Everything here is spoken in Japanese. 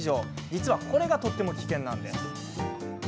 実はこれがとても危険なんです。